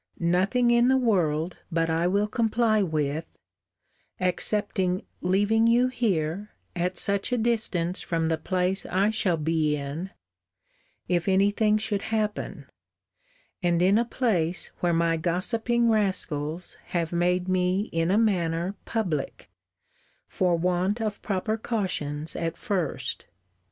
Nothing in the world but I will comply with, excepting leaving you here, at such a distance from the place I shall be in, if any thing should happen; and in a place where my gossiping rascals have made me in a manner public, for want of proper cautions at first.